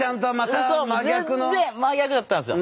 全然真逆だったんですよ。